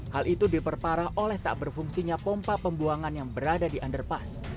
hal itu diperparah oleh tak berfungsinya pompa pembuangan yang berada di underpass